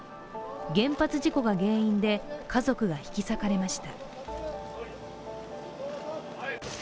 原発事故が原因で家族が引き裂かれました。